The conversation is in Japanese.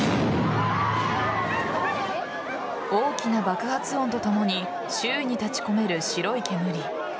大きな爆発音とともに周囲に立ち込める白い煙。